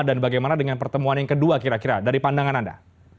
dan bagaimana dengan pertemuan yang kedua kira kira dari pandangan anda